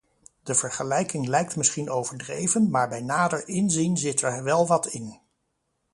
De vergelijking lijkt misschien overdreven, maar bij nader inzien zit er wel wat in.